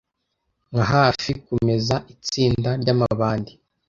nka hafi kumeza itsinda ryamabandi